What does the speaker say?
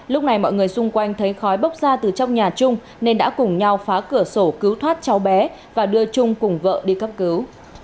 lúc này mọi người xung quanh thấy khói bốc ra từ trong nhà trung nên đã cùng nhau phá cửa sổ cứu thoát cháu bé và đưa trung cùng vợ đi cấp cứu